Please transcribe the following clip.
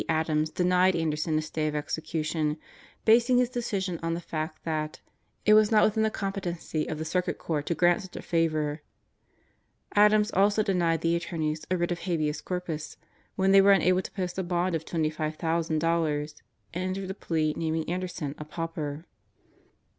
Adams denied Anderson a stay of execution, basing his decision on the fact that "it was not within the competency of the Circuit Court to grant such a favor." Adams also denied the attorneys a writ of habeas corpus when they were unable to post a bond of $25,000 and entered a plea naming Anderson a "pauper."